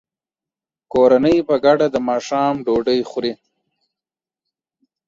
کورنۍ په ګډه د ماښام ډوډۍ خوري.